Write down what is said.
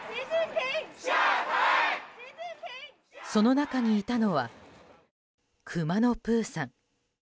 その中にいたのはくまのプーさん。